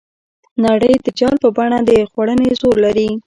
نړۍ د جال په بڼه د خوړنې زور لري.